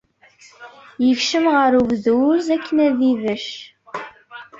Yekcem ɣer ubduz akken ad ibecc.